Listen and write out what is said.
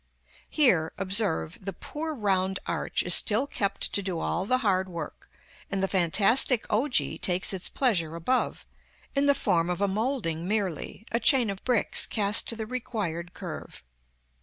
Here, observe, the poor round arch is still kept to do all the hard work, and the fantastic ogee takes its pleasure above, in the form of a moulding merely, a chain of bricks cast to the required curve.